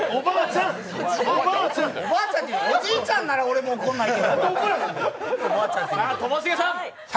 おじいちゃんなら俺も怒らないよ。